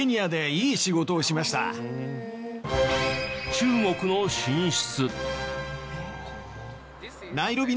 中国の進出。